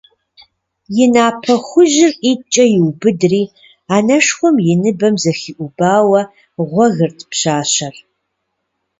И напэ хужьыр ӀитӀкӀэ иубыдри, анэшхуэм и ныбэм зыхиӀубауэ гъуэгырт пщащэр.